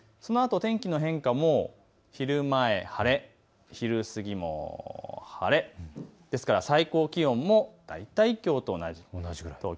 そのあと天気の変化も昼前晴れ、昼過ぎも晴れ、ですから最高気温も大体きょうと同じくらい。